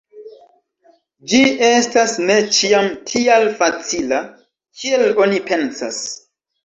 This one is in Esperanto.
Ĝi estas ne ĉiam tial facila, kiel oni pensas.